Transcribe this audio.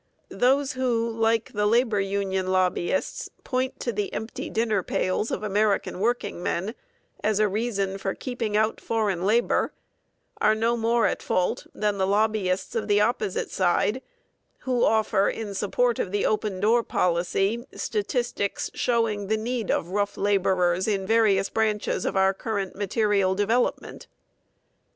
Those who, like the labor union lobbyists, point to the empty dinner pails of American workingmen as a reason for keeping out foreign labor, are no more at fault than the lobbyists of the opposite side, who offer in support of the open door policy statistics showing the need of rough laborers in various branches of our current material development.